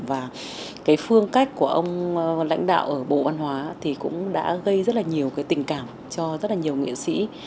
và cái phương cách của ông lãnh đạo ở bộ văn hóa thì cũng đã gây rất là nhiều cái tình cảm cho rất là nhiều nghệ sĩ